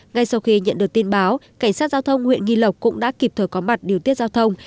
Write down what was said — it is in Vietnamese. ngay sau khi nhận được tin báo cảnh sát giao thông huyện nghi lộc cũng đã kịp thời có mặt điều tiết giao thông